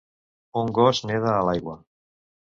Un gos neda a l'aigua